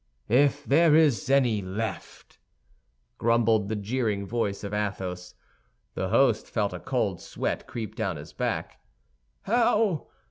"If there is any left," grumbled the jeering voice of Athos. The host felt a cold sweat creep down his back. "How!